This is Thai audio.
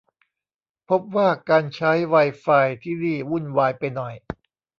พบว่าการใช้ไวไฟที่นี่วุ่นวายไปหน่อย